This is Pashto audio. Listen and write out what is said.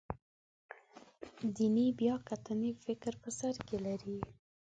دیني بیاکتنې فکر په سر کې لري.